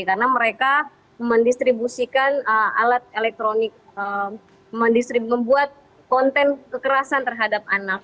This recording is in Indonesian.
karena mereka mendistribusikan alat elektronik membuat konten kekerasan terhadap anak